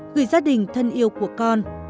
gửi gia đình thân yêu của con